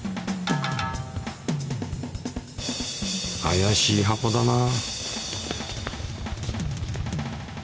あやしい箱だな。